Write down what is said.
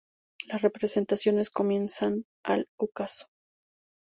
Las representaciones comienzan al ocaso.